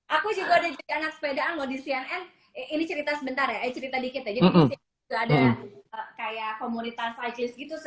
aku juga ada anak sepedaan loh di cnn ini cerita sebentar ya cerita dikit ya